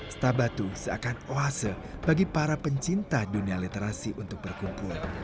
stabatu seakan oase bagi para pencinta dunia literasi untuk berkumpul